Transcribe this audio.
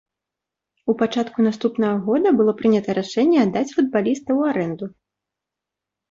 У пачатку наступнага года было прынята рашэнне аддаць футбаліста ў арэнду.